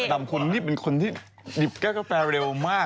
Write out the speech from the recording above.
คุณพะตำคุณนี่เป็นคนที่ดิบแก้วกาแฟเร็วมาก